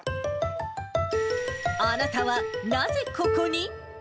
あなたはなぜここに？